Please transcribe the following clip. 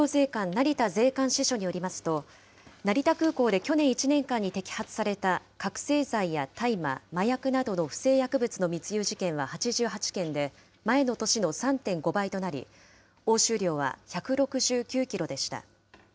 成田税関支署によりますと、成田空港で去年１年間に摘発された覚醒剤や大麻、麻薬などの不正薬物の密輸事件は８８件で、前の年の３．５倍となり、押収量は１６９キロでした。